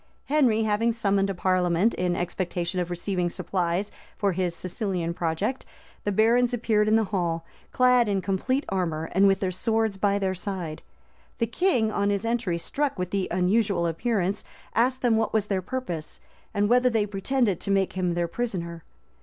Henry having summoned a parliament, in expectation of receiving supplies for his Sicilian project, the barons appeared in the hall, clad in complete armor, and with their swords by their side: the king, on his entry, struck with the unusual appearance, asked them what was their purpose, and whether they pretended to make him their prisoner.